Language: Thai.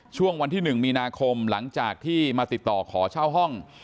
ช่วงวันที่๑มีนาคมหลังจากที่มาติดต่อขอเช่าห้อง